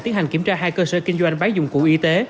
tiến hành kiểm tra hai cơ sở kinh doanh bán dụng cụ y tế